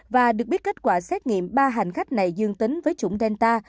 và được biết kết quả xét nghiệm ba hành khách này dương tính với chủng delta